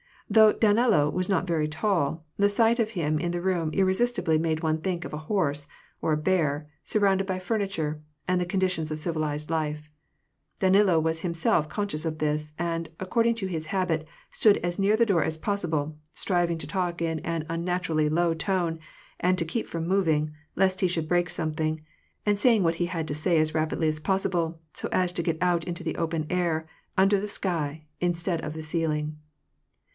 Though Danilo was not very tall, the sight of him in the room irresistibly made one think of a horse, or a bear, surrounded by furniture and the conditions of civilized life : Danilo was himself conscious of this, and, according to his habit, stood as near the door as possible, striving to talk in an unnaturally low tone, and to keep from moving, lest he should break something, and saying what he had to say as rapidly as possible, so as to get out into the open air, under the sl^, instead of the ceiling.